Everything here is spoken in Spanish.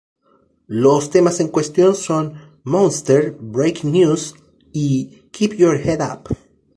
Los temas en cuestión son "Monster, Breaking News" y "Keep Your Head Up.